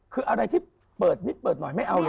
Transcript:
คืออะไรที่เปิดนิดเปิดหน่อยไม่เอาเลย